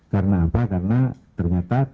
karena apa karena ternyata